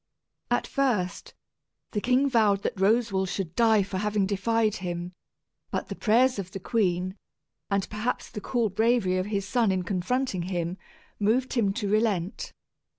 At first, the king vowed that Roswal should die for having defied him; but the prayers of the queen, and perhaps the cool bravery of his son in confronting him, moved him to relent.